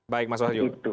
baik mas wadju